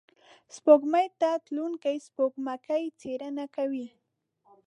سپوږمۍ ته تلونکي سپوږمکۍ څېړنې کوي